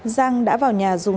giang đã vào nhà dùng dao đoàn